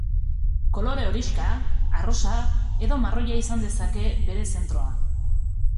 Kolore horixka, arrosa edo marroia izan dezake bere zentroan.